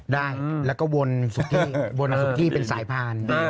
ได้แล้วก็วนสุกี้เป็นสายพาน